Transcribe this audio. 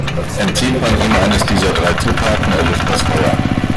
Entzieht man ihm eines dieser drei Zutaten, erlischt das Feuer.